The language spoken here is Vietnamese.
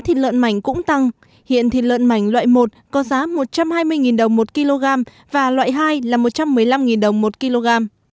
thịt lợn mảnh cũng tăng hiện thịt lợn mảnh loại một có giá một trăm hai mươi đồng một kg và loại hai là một trăm một mươi năm đồng một kg